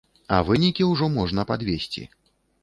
А вынікі ўжо можна падвесці.